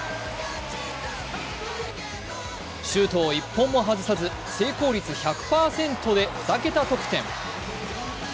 シュートを１本も外さず成功率１００％で２桁得点。